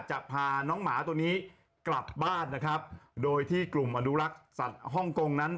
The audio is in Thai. จะพาน้องหมาตัวนี้กลับบ้านนะครับโดยที่กลุ่มอนุรักษ์สัตว์ฮ่องกงนั้น